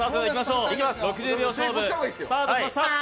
６０秒勝負スタートしました。